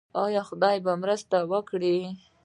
آیا خدای به مرسته وکړي؟